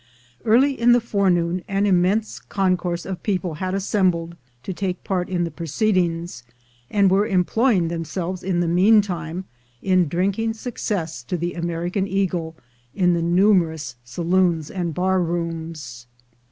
Early in the forenoon an immense concourse of people had assembled to take part in the proceedings, and were employing themselves in the meantime in drinking success to the American eagle, in the numer ous saloons and bar rooms.